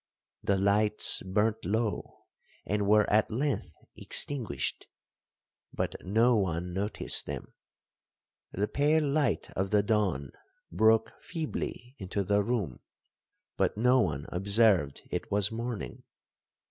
The lights burnt low, and were at length extinguished, but no one noticed them;—the pale light of the dawn broke feebly into the room, but no one observed it was morning.